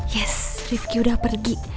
yes rifqi udah pergi